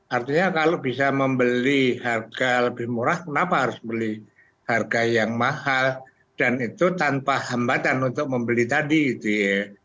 artinya kalau bisa membeli harga lebih murah kenapa harus membeli harga yang mahal dan itu tanpa hambatan untuk membeli tadi gitu ya